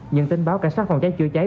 những tình báo cảnh sát phòng cháy chữa cháy